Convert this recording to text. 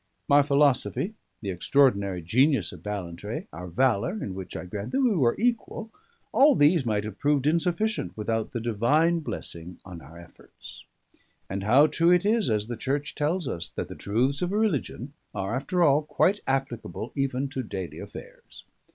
My philosophy, the extraordinary genius of Ballantrae, our valour, in which I grant that we were equal all these might have proved insufficient without the Divine blessing on our efforts. And how true it is, as the Church tells us, that the Truths of Religion are, after all, quite applicable even to daily affairs!